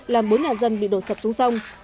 làm bốn nhà dân bị đổ sập xuống sông